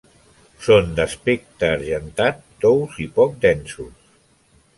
Són d'aspecte argentat, tous i poc densos.